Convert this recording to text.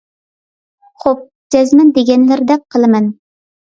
خوپ، جەزمەن دېگەنلىرىدەك قىلىمەن.